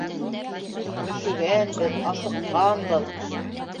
Өшөгәнбеҙ, асыҡҡанбыҙ.